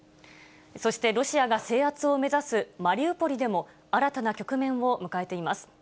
そしてロシアが制圧を目指すマリウポリでも新たな局面を迎えています。